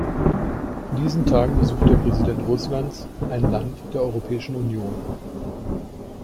In diesen Tagen besucht der Präsident Russlands ein Land der Europäischen Union.